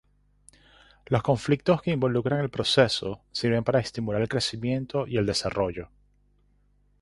Los conflictos que involucran el proceso sirven para estimular el crecimiento y el desarrollo.